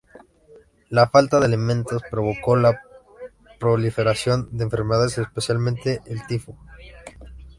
La falta de alimentos provocó la proliferación de enfermedades, especialmente el tifo.